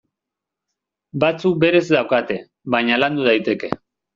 Batzuk berez daukate, baina landu daiteke.